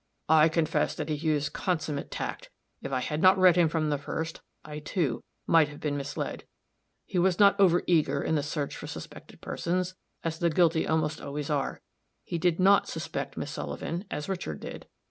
I confess that he used consummate tact; if I had not read him from the first, I, too, might have been misled. He was not over eager in the search for suspected persons, as the guilty almost always are. He did not suspect Miss Sullivan, as Richard did.